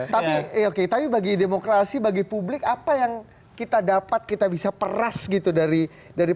tapi oke tapi bagi demokrasi bagi publik apa yang kita dapat kita bisa peras gitu dari